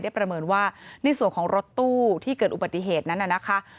ประเมินว่าในส่วนของรถตู้ที่เกิดอุบัติเหตุนั้นน่ะนะคะ